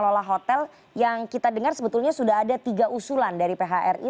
oke pak maulana saya dapati sekolah hotel yang kita dengar sebetulnya sudah ada tiga usulan dari phri